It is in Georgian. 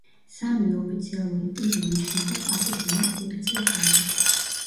სამივე ოფიციალური პირი ინიშნება პაპის მიერ ხუთი წლის ვადით.